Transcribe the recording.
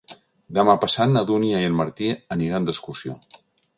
Demà passat na Dúnia i en Martí aniran d'excursió.